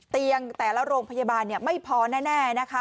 แต่ละโรงพยาบาลไม่พอแน่นะคะ